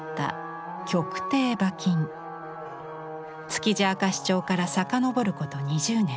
「築地明石町」から遡ること２０年。